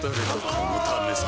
このためさ